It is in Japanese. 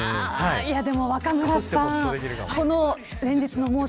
でも若村さん、この連日の猛暑